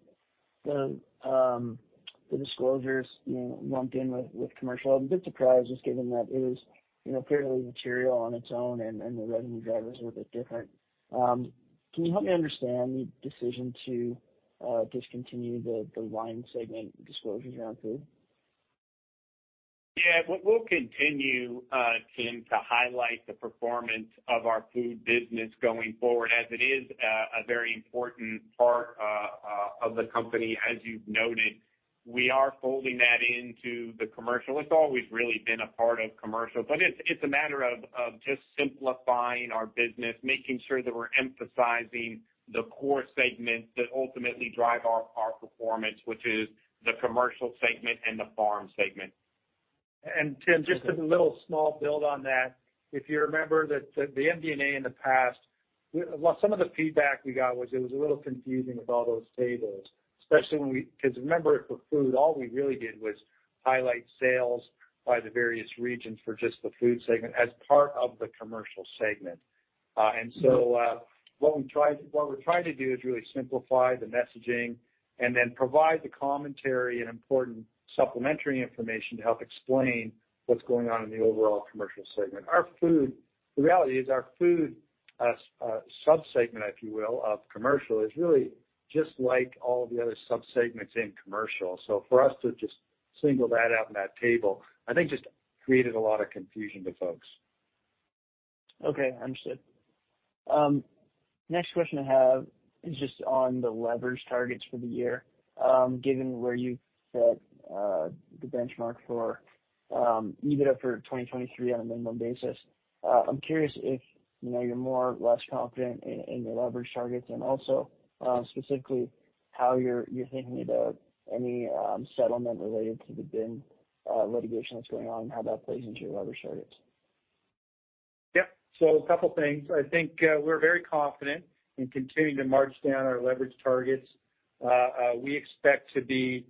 disclosures, you know, lumped in with commercial. I'm a bit surprised just given that it is, you know, clearly material on its own and the revenue drivers are a bit different. Can you help me understand the decision to discontinue the wine segment disclosures around food? Yeah. We'll continue, Tim, to highlight the performance of our food business going forward as it is a very important part of the company. As you've noted, we are folding that into the Commercial. It's always really been a part of Commercial, but it's a matter of just simplifying our business, making sure that we're emphasizing the core segments that ultimately drive our performance, which is the Commercial segment and the Farm segment. Tim, just as a little small build on that, if you remember that the MD&A in the past, well, some of the feedback we got was it was a little confusing with all those tables, especially when we 'cause remember for food, all we really did was highlight sales by the various regions for just the food segment as part of the commercial segment. What we're trying to do is really simplify the messaging and then provide the commentary and important supplementary information to help explain what's going on in the overall commercial segment. The reality is our food subsegment, if you will, of commercial is really just like all the other subsegments in commercial. For us to just single that out in that table, I think just created a lot of confusion to folks. Okay. Understood. Next question I have is just on the leverage targets for the year, given where you set the benchmark for EBITDA for 2023 on a minimum basis. I'm curious if, you know, you're more or less confident in the leverage targets, and also, specifically how you're thinking about any settlement related to the bin litigation that's going on, how that plays into your leverage targets. A couple things. I think, we're very confident in continuing to march down our leverage targets. We expect to be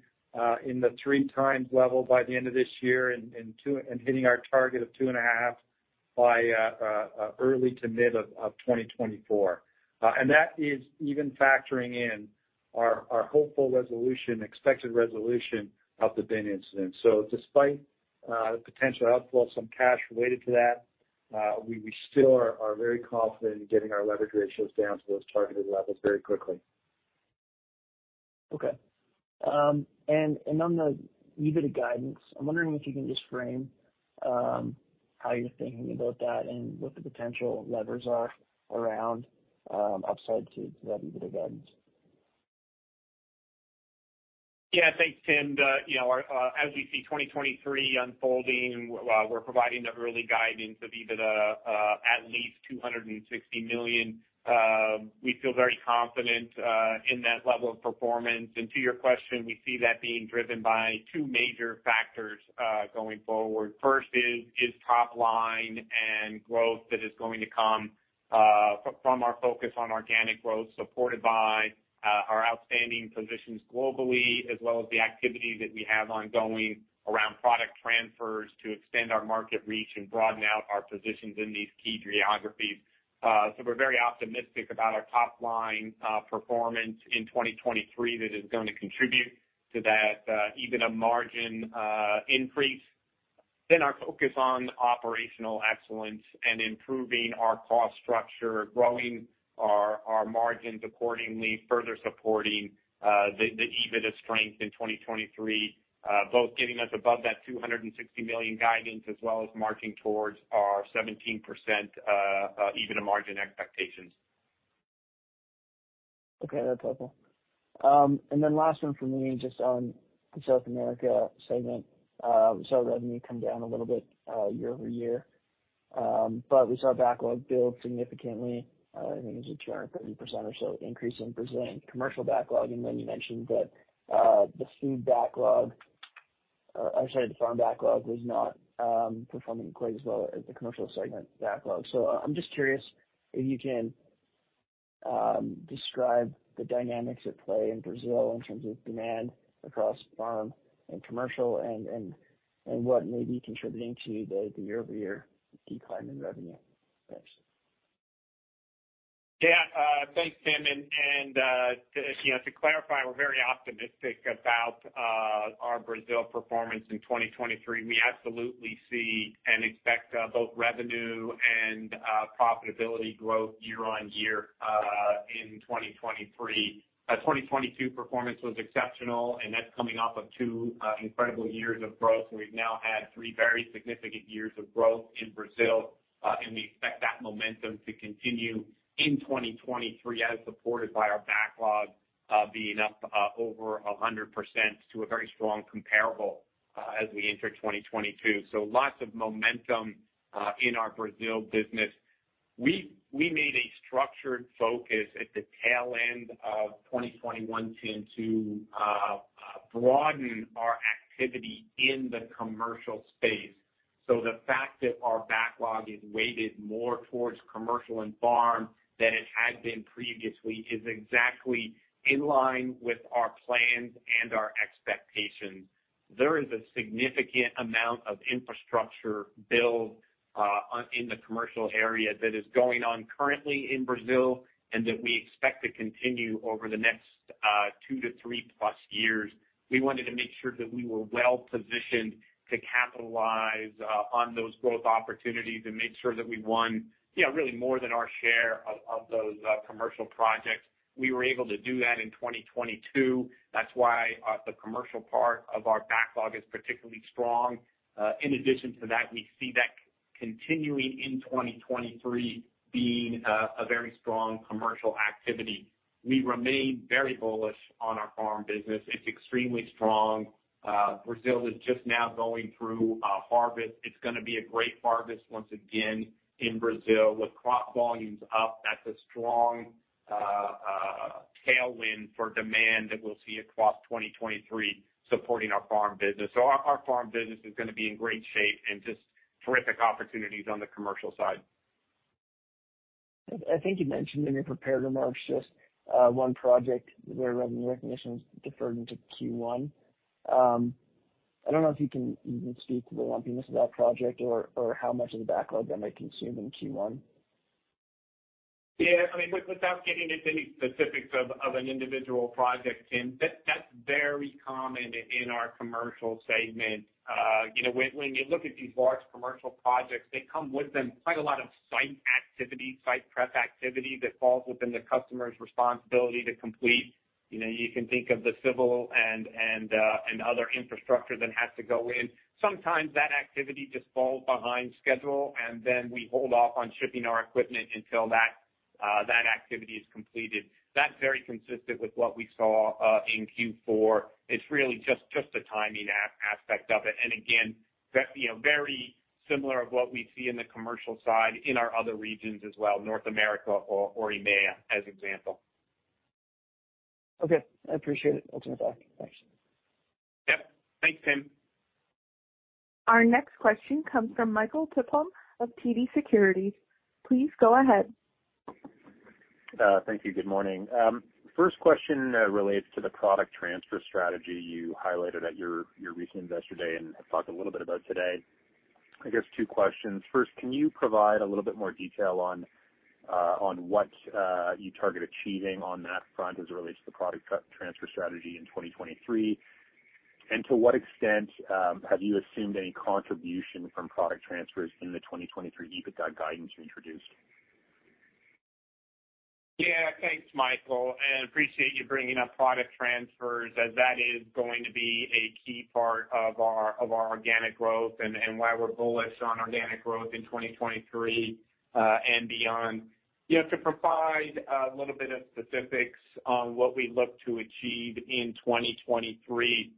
in the 3x level by the end of this year and hitting our target of 2.5x by early to mid of 2024. That is even factoring in our hopeful resolution, expected resolution of the Bin Incident. Despite the potential outflow of some cash related to that, we still are very confident in getting our leverage ratios down to those targeted levels very quickly. Okay. On the EBITDA guidance, I'm wondering if you can just frame how you're thinking about that and what the potential levers are around upside to that EBITDA guidance? Yeah. Thanks, Tim. You know, as we see 2023 unfolding, while we're providing the early guidance of EBITDA, at least 260 million, we feel very confident in that level of performance. To your question, we see that being driven by two major factors going forward. First is top line and growth that is going to come from our focus on organic growth, supported by our outstanding positions globally as well as the activity that we have ongoing around product transfers to extend our market reach and broaden out our positions in these key geographies. We're very optimistic about our top line performance in 2023 that is gonna contribute to that EBITDA margin increase. Our focus on operational excellence and improving our cost structure, growing our margins accordingly, further supporting the EBITDA strength in 2023, both getting us above that 260 million guidance as well as marching towards our 17% EBITDA margin expectations. Okay. That's helpful. last one from me, just on the South America segment. we saw revenue come down a little bit, year-over-year. we saw backlog build significantly. I think it was a 30% or so increase in Brazilian commercial backlog. you mentioned that, the farm backlog was not, performing quite as well as the commercial segment backlog. I'm just curious if you can, describe the dynamics at play in Brazil in terms of demand across farm and commercial and what may be contributing to the year-over-year decline in revenue. Thanks. Yeah. Thanks, Tim. You know, to clarify, we're very optimistic about our Brazil performance in 2023. We absolutely see and expect both revenue and profitability growth year-on-year in 2023. 2022 performance was exceptional, and that's coming off of two incredible years of growth. We've now had three very significant years of growth in Brazil, and we expect that momentum to continue in 2023 as supported by our backlog being up over 100% to a very strong comparable as we enter 2022. Lots of momentum in our Brazil business. We made a structured focus at the tail end of 2021, Tim, to broaden our activity in the commercial space. The fact that our backlog is weighted more towards commercial and farm than it had been previously is exactly in line with our plans and our expectations. There is a significant amount of infrastructure build, on, in the commercial area that is going on currently in Brazil and that we expect to continue over the next 2-3+ years. We wanted to make sure that we were well positioned to capitalize on those growth opportunities and make sure that we won, you know, really more than our share of those commercial projects. We were able to do that in 2022. That's why, the commercial part of our backlog is particularly strong. In addition to that, we see that continuing in 2023 being a very strong commercial activity. We remain very bullish on our farm business. It's extremely strong. Brazil is just now going through a harvest. It's gonna be a great harvest once again in Brazil with crop volumes up. That's a strong tailwind for demand that we'll see across 2023 supporting our farm business. Our farm business is gonna be in great shape and just terrific opportunities on the commercial side. I think you mentioned in your prepared remarks just one project where revenue recognition was deferred into Q1. I don't know if you can even speak to the lumpiness of that project or how much of the backlog that might consume in Q1? Yeah. I mean, without getting into any specifics of an individual project, Tim, that's very common in our commercial segment. You know, when you look at these large commercial projects, they come with them quite a lot of site activity, site prep activity that falls within the customer's responsibility to complete. You know, you can think of the civil and other infrastructure that has to go in. Sometimes that activity just falls behind schedule, and then we hold off on shipping our equipment until that activity is completed. That's very consistent with what we saw in Q4. It's really just a timing aspect of it. Again, that be very similar of what we see in the commercial side in our other regions as well, North America or EMEA, as example. I appreciate it. I'll turn it back. Thanks. Yep. Thanks, Tim. Our next question comes from Michael Tupholme of TD Securities. Please go ahead. Thank you. Good morning. First question relates to the product transfer strategy you highlighted at your recent Investor Day and have talked a little bit about today. I guess two questions. First, can you provide a little bit more detail on what you target achieving on that front as it relates to the product transfer strategy in 2023? To what extent have you assumed any contribution from product transfers in the 2023 EBITDA guidance you introduced? Thanks, Michael, and appreciate you bringing up product transfers as that is going to be a key part of our, of our organic growth and why we're bullish on organic growth in 2023 and beyond. You have to provide a little bit of specifics on what we look to achieve in 2023.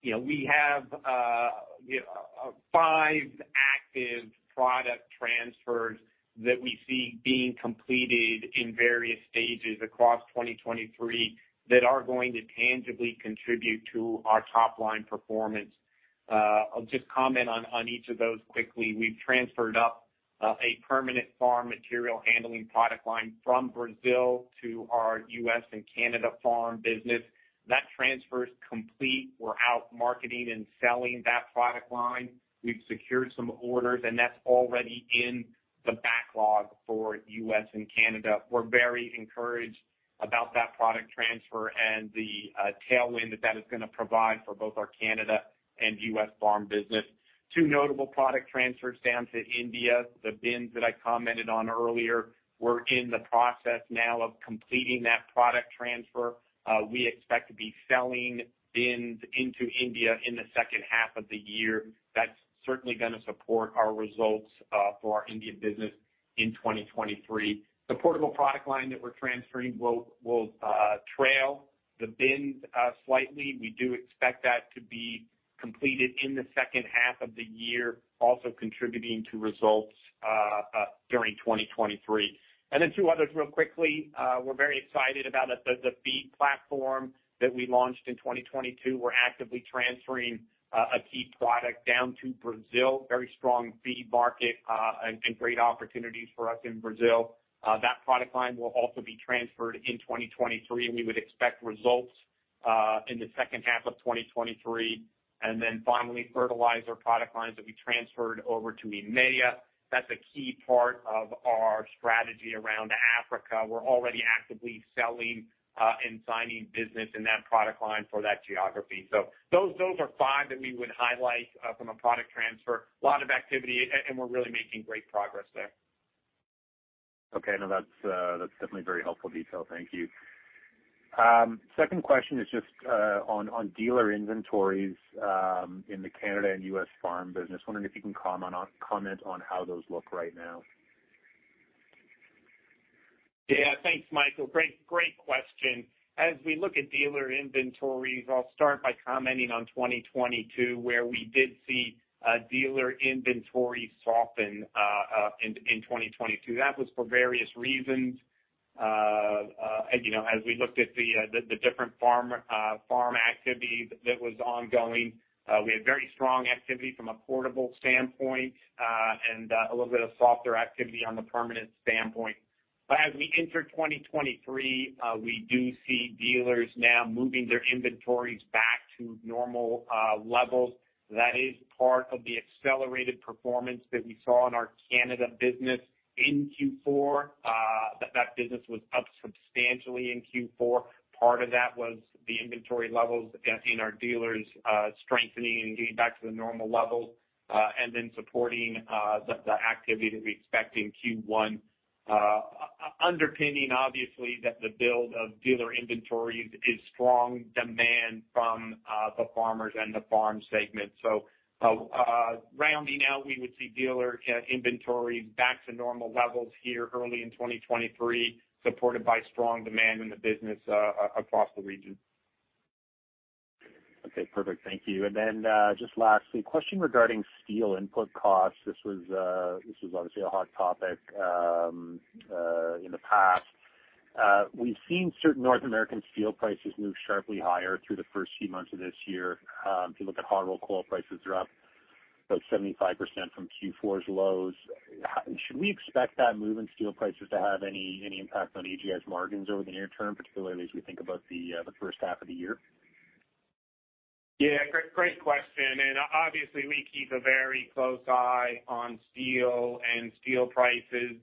You know, we have five active product transfers that we see being completed in various stages across 2023 that are going to tangibly contribute to our top line performance. I'll just comment on each of those quickly. We've transferred up a permanent farm material handling product line from Brazil to our U.S. and Canada farm business. That transfer is complete. We're out marketing and selling that product line. We've secured some orders, and that's already in the backlog for U.S. and Canada. We're very encouraged about that product transfer and the tailwind that that is gonna provide for both our Canada Farm and U.S. Farm business. Two notable product transfers down to India, the bins that I commented on earlier. We're in the process now of completing that product transfer. We expect to be selling bins into India in the second half of the year. That's certainly gonna support our results for our Indian business in 2023. The portable product line that we're transferring will trail the bins slightly. We do expect that to be completed in the second half of the year, also contributing to results during 2023. Two others real quickly. We're very excited about the feed platform that we launched in 2022. We're actively transferring a key product down to Brazil, very strong feed market, and great opportunities for us in Brazil. That product line will also be transferred in 2023, and we would expect results in the second half of 2023. Finally, fertilizer product lines that we transferred over to EMEA. That's a key part of our strategy around Africa. We're already actively selling and signing business in that product line for that geography. Those are five that we would highlight from a product transfer. Lot of activity and we're really making great progress there. Okay. No, that's definitely very helpful detail. Thank you. Second question is just on dealer inventories, in the Canada and U.S. farm business. Wondering if you can comment on how those look right now? Yeah. Thanks, Michael. Great, great question. As we look at dealer inventories, I'll start by commenting on 2022, where we did see dealer inventory soften in 2022. That was for various reasons. You know, as we looked at the, the different farm activity that was ongoing. We had very strong activity from a portable standpoint, and a little bit of softer activity on the permanent standpoint. But as we enter 2023, we do see dealers now moving their inventories back to normal levels. That is part of the accelerated performance that we saw in our Canada business in Q4. That business was up substantially in Q4. Part of that was the inventory levels in our dealers strengthening and getting back to the normal level, then supporting the activity that we expect in Q1. Underpinning obviously that the build of dealer inventories is strong demand from the farmers and the farm segment. Rounding out, we would see dealer inventories back to normal levels here early in 2023, supported by strong demand in the business across the region. Okay, perfect. Thank you. Just lastly, question regarding steel input costs. This was obviously a hot topic in the past. We've seen certain North American steel prices move sharply higher through the first few months of this year. If you look at hot rolled coil prices are up about 75% from Q4's lows. Should we expect that move in steel prices to have any impact on AGI's margins over the near term, particularly as we think about the first half of the year? Yeah. Great, great question. Obviously, we keep a very close eye on steel and steel prices.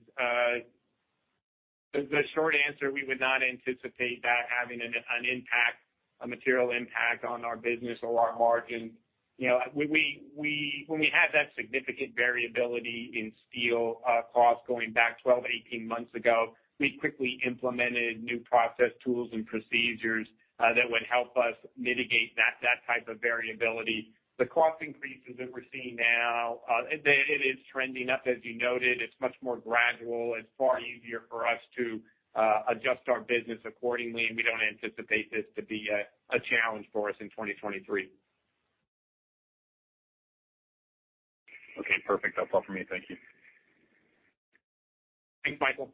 The short answer, we would not anticipate that having an impact, a material impact on our business or our margins. You know, when we had that significant variability in steel costs going back 12 to 18 months ago, we quickly implemented new process tools and procedures that would help us mitigate that type of variability. The cost increases that we're seeing now, it is trending up, as you noted. It's much more gradual. It's far easier for us to adjust our business accordingly, and we don't anticipate this to be a challenge for us in 2023. Okay, perfect. That's all for me. Thank you. Thanks, Michael.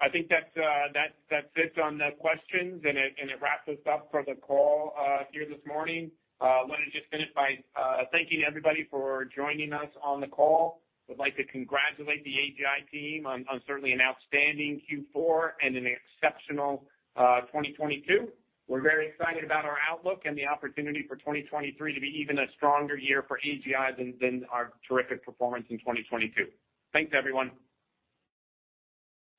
I think that's it on the questions, and it wraps us up for the call here this morning. Let me just finish by thanking everybody for joining us on the call. Would like to congratulate the AGI team on certainly an outstanding Q4 and an exceptional 2022. We're very excited about our outlook and the opportunity for 2023 to be even a stronger year for AGI than our terrific performance in 2022. Thanks, everyone.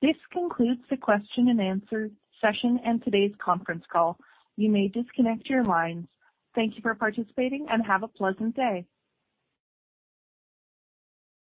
This concludes the question and answer session and today's conference call. You may disconnect your lines. Thank you for participating and have a pleasant day.